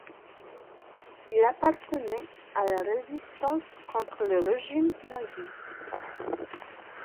Il appartenait à la résistance contre le régime nazi.